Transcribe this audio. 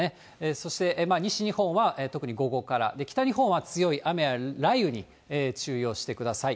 そして西日本は特に午後から、北日本は強い雨や雷雨に注意をしてください。